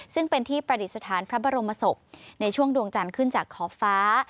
ซึ่งเป็นที่ประดิษฐานพระบรมศพในช่วงดวงจันทร์ขึ้นจากขอบฟ้า